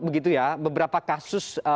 begitu ya beberapa kasus